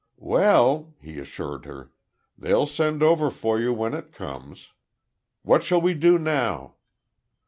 "Well," he assured her, "They'll send over for you when it comes.... What shall we do now?"